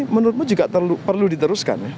menurutmu juga perlu diteruskan